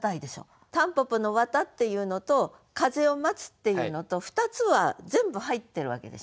蒲公英の「絮」っていうのと「風を待つ」っていうのと２つは全部入ってるわけでしょ。